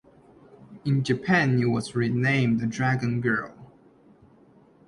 In Japan it was renamed "Dragon Girl".